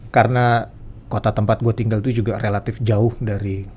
karena kota tempat gue tinggal itu juga relatif jauh dari